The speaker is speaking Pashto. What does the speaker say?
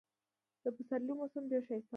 د پسرلي موسم ډېر ښایسته وي.